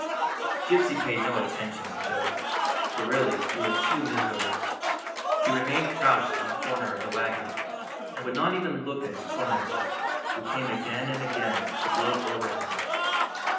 Gypsy paid no attention to Joe, for really he was too miserable. He remained crouched in a corner of the wagon, and would not even look at his tormentor, who came again and again to gloat over him.